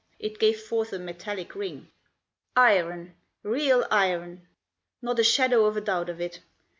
It gave forth a metallic ring. " Iron, real iron ! Not a shadow of a doubt of it.